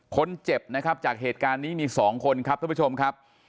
คนเจ็บนะครับจากเหตุการณ์นี้มี๒คนครับท่านผู้ชมครับ